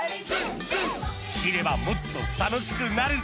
知ればもっと楽しくなる！